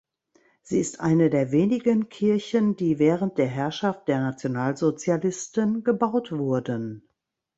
Sie ist eine der wenigen Kirchen, die während der Herrschaft der Nationalsozialisten gebaut wurden.